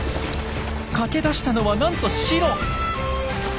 駆け出したのはなんとシロ！